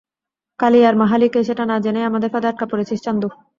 কালি আর মাহালি কে, সেটা না জেনেই আমাদের ফাঁদে আটকা পড়েছিস, চান্দু।